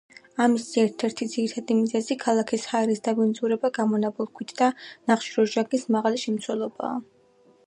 ამისი ერთ-ერთი ძირითადი მიზეზი ქალაქის ჰაერის დაბინძურება გამონაბოლქვით და ნახშირორჟანგის მაღალი შემცველობაა.